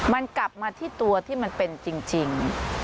มันกลับมาที่ตัวที่มันเป็นจริง